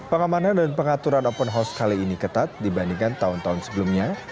pengamanan dan pengaturan open house kali ini ketat dibandingkan tahun tahun sebelumnya